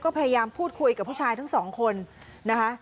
ก็พยายามพูดคุยกับผู้ชายทั้งสองคนนะคะ